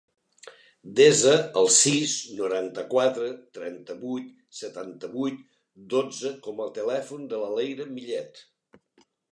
Desa el sis, noranta-quatre, trenta-vuit, setanta-vuit, dotze com a telèfon de la Leire Millet.